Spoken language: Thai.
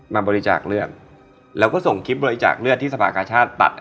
มาบริจาคเลือดแล้วก็ส่งคลิปบริจาคเลือดที่สภากาชาติตัด